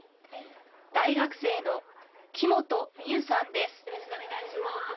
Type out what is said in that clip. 大学生の木元海裕さんです。